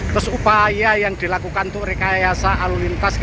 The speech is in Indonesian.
terus apa yang dilakukan untuk perusahaan yang berada di